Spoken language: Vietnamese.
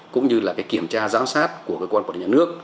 cũng như là kiểm tra giám sát của cơ quan quản lý nhà nước